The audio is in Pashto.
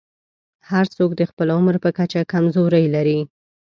هر څوک د خپل عمر په کچه کمزورۍ لري.